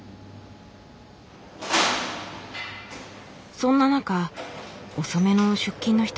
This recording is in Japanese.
そんな中遅めの出勤の人かな？